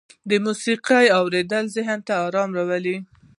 د موسیقۍ اوریدل ذهني ارامۍ راولي.